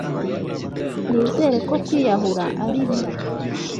Nizera ko kwiyahura ari bibi.